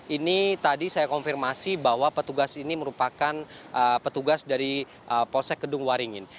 ini tadi saya konfirmasi bahwa petugas ini merupakan petugas dari polsek kedung waringin